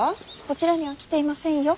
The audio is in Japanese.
こちらには来ていませんよ。